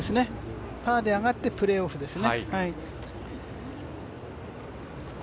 パーであがって、プレーオフですね。